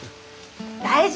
大丈夫！